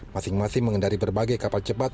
masing masing mengendari berbagai kapal cepat